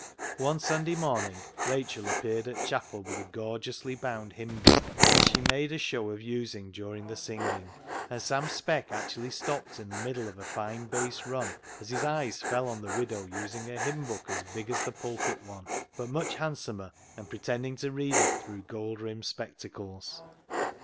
One Sunday morning Rachel appeared at chapel with a gorgeously bound hymn book, which she made a show of using during the singing, and Sam Speck actually stopped in the middle of a fine bass run as his eyes fell on the widow using a hymn book as big as the pulpit one, but much handsomer, and pretend ing to read it through gold rimmed spectacles.